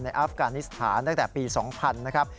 อัฟกานิสถานตั้งแต่ปี๒๐๐นะครับ